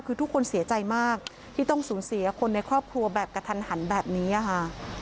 คือทุกคนเสียใจมากที่ต้องสูญเสียคนในครอบครัวแบบกระทันหันแบบนี้ค่ะ